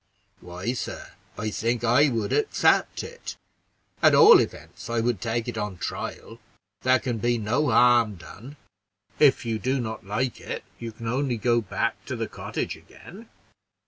"Why, sir, I think I would accept it; at all events, I would take it on trial there can be no harm done. If you do not like it, you can only go back to the cottage again.